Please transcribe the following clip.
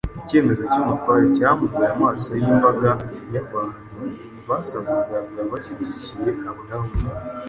Icyemezo cy’umutware cyahumuye amaso y’imbaga y’abantu basakuzaga bashyigikiye Abayahudi.